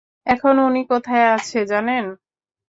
এখন উনি কোথায় আছে জানেন?